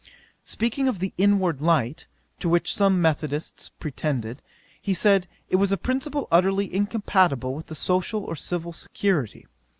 'Speaking of the inward light, to which some methodists pretended, he said, it was a principle utterly incompatible with social or civil security.